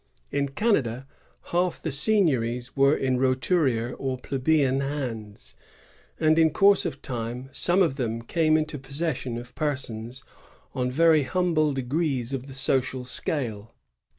In Canada half the seigniories were in roturier or plebeian hands, and in course of time some of them came into possession of persons on very humble degrees of the social scale.